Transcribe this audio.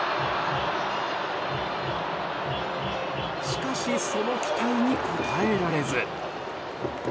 しかしその期待に応えられず。